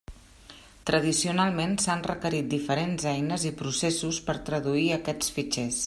Tradicionalment s'han requerit diferents eines i processos per traduir aquests fitxers.